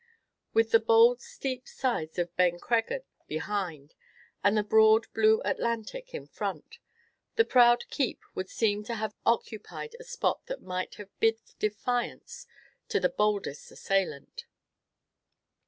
With the bold steep sides of Ben Creggan behind, and the broad blue Atlantic in front, the proud keep would seem to have occupied a spot that might have bid defiance to the boldest assailant.